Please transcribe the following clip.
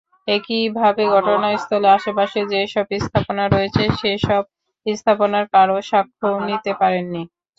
একইভাবে ঘটনাস্থলের আশপাশে যেসব স্থাপনা রয়েছে, সেসব স্থাপনার কারও সাক্ষ্যও নিতে পারেননি।